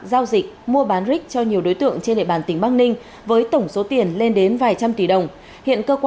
giao dịch mua bán rig cho nhiều đối tượng trên địa bàn tỉnh bắc ninh